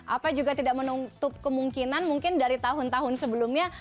apa juga tidak menutup kemungkinan mungkin dari tahun tahun sebelumnya